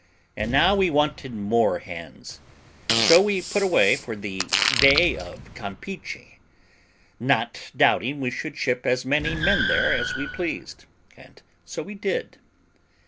And now we wanted more hands, so we put away for the Bay of Campeachy, not doubting we should ship as many men there as we pleased; and so we did.